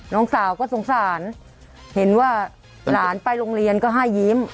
น้องสาวก็สงสารเห็นว่าหลานไปโรงเรียนก็ให้ยิ้ม